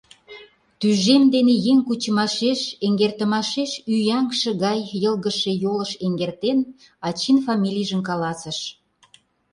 Тӱжем дене еҥ кучымашеш, эҥертымашеш ӱяҥше гай йылгыжше йолыш эҥертен, Ачин фамилийжым каласыш.